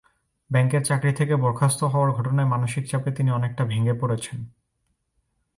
ব্যাংকের চাকরি থেকে বরখাস্ত হওয়ার ঘটনায় মানসিক চাপে তিনি অনেকটা ভেঙে পড়েছেন।